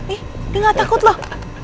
eh dia gak takut loh